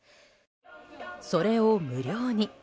それを無料に。